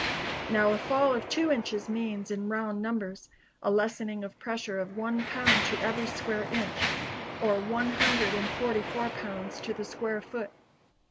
Now, a fall of two inches means, in round numbers, a lessening of pressure of one pound to every square inch, or one hundred and forty four pounds to the square foot.